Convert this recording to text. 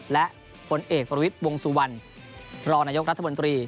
และบนเอกบริวิตวงสุวรรณรนรัฐบนตรี